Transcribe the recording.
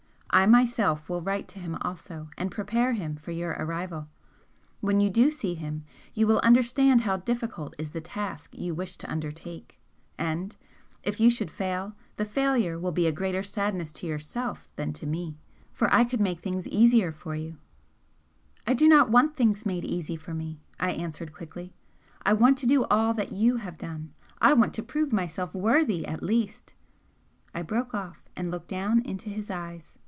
I myself will write to him also and prepare him for your arrival. When you do see him you will understand how difficult is the task you wish to undertake, and, if you should fail, the failure will be a greater sadness to yourself than to me for I could make things easier for you " "I do not want things made easy for me," I answered quickly "I want to do all that you have done I want to prove myself worthy at least " I broke off, and looked down into his eyes.